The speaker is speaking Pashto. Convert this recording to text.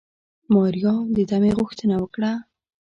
ماريا د دمې غوښتنه وکړه.